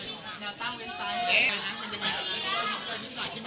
ถ้าถามอะไรต่อ